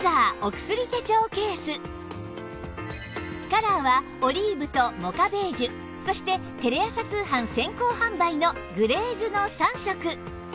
カラーはオリーブとモカベージュそしてテレ朝通販先行販売のグレージュの３色